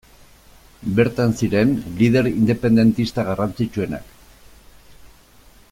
Bertan ziren lider independentista garrantzitsuenak.